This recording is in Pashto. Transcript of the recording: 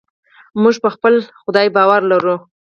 موږ په خپل خدای باور لرو.